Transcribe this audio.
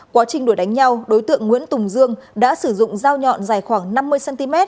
quá trình đuổi đánh nhau đối tượng nguyễn tùng dương đã sử dụng dao nhọn dài khoảng năm mươi cm